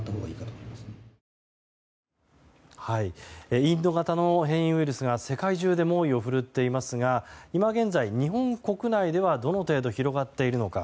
インド型の変異ウイルスが世界中で猛威を振るっていますが今現在、日本国内ではどの程度広がっているのか。